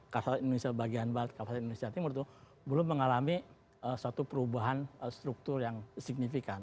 kawasan indonesia bagian barat kawasan indonesia timur itu belum mengalami suatu perubahan struktur yang signifikan